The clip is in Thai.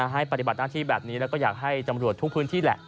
ปฏิบัติหน้าที่แบบนี้แล้วก็อยากให้ตำรวจทุกพื้นที่แหละ